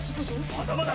まだまだ！